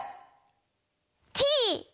Ｔ！